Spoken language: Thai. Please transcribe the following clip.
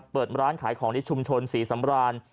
เปิดร้านขายของในชุมชนศรีสำราน